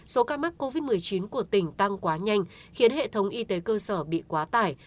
số ca mắc covid một mươi chín của tỉnh tăng quá nhanh khiến hệ thống y tế cơ sở bị quá tải